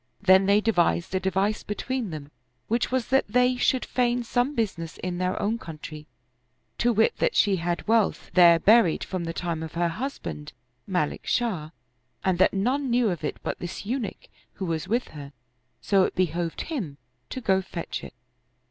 Then they devised a device between them, which was that they should feign some business in their own country, to wit that she had wealth there buried from the time of her hus band, Malik Shah, and that none knew of it but this Eunuch who was with her, so it behooved him to go fetch it.